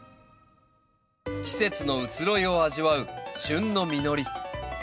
季節の移ろいを味わう旬の実り。